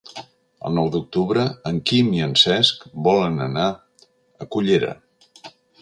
El nou d'octubre en Quim i en Cesc volen anar a Cullera.